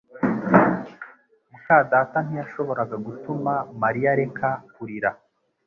muka data ntiyashoboraga gutuma Mariya areka kurira